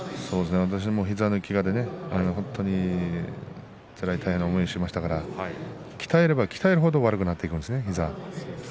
私も膝のけがで本当につらい思いをしましたから鍛えれば鍛える程膝が悪くなっていくんですね。